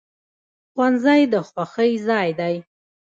ښوونځی د خوښۍ ځای دی